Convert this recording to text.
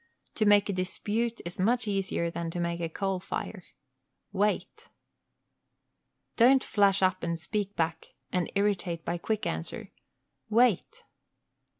To make a dispute is much easier than to make a coal fire. Wait! Don't flash up and speak back, and irritate by quick answer. Wait!